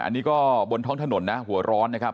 อันนี้ก็บนท้องถนนนะหัวร้อนนะครับ